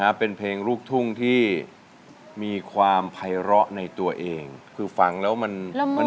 เป็นเพลงลูกทุ่งที่มีความภัยร้อในตัวเองคือฟังแล้วมันมัน